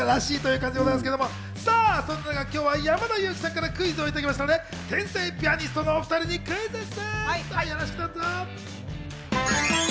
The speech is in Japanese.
感じですけれども、そんな中、今日は山田裕貴さんからクイズもいただきましたので、天才ピアニストのお２人にクイズッス！